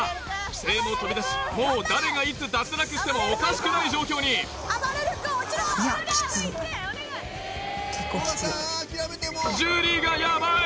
奇声も飛び出しもう誰がいつ脱落してもおかしくない状況に樹がヤバい